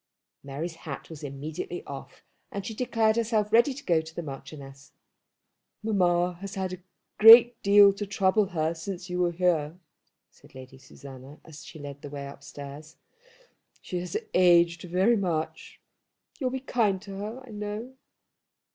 Mary's hat was immediately off, and she declared herself ready to go to the Marchioness. "Mamma has had a great deal to trouble her since you were here," said Lady Susanna, as she led the way upstairs. "She has aged very much. You'll be kind to her, I know."